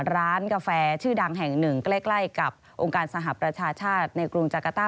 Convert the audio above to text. ร้านกาแฟชื่อดังแห่งหนึ่งใกล้กับองค์การสหประชาชาติในกรุงจักรต้า